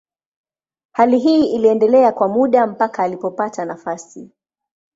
Hali hii iliendelea kwa muda mpaka alipopata nafasi.